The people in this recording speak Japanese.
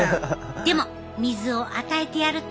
でも水を与えてやると。